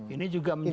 ini juga menjadi